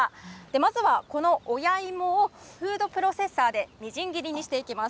まずはこの親芋をフードプロセッサーでみじん切りにしていきます。